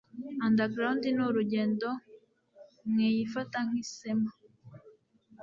Underground ni urugendo mwiyifata nki sema